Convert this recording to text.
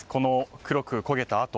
黒く焦げた跡。